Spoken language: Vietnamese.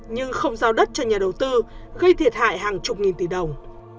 nhưng không giao đất cho nhà đầu tư gây thiệt hại hàng chục nghìn tỷ đồng